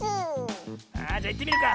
あじゃいってみるか。